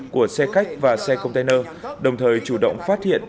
của xe khách và xe container đồng thời chủ động phát hiện